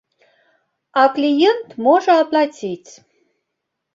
А кліент можа аплаціць.